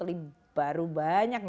dengan cara yang lebih